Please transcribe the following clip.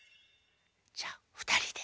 じゃあふたりで。